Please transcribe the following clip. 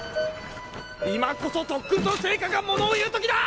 今こそ特訓の成果がものをいうときだ！